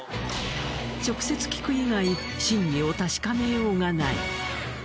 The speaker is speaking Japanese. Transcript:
直接聞く以外真偽を確かめようがない。